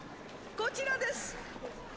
こちらです